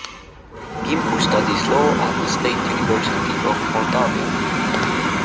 Ghimpu studies law at the State University of Moldavia.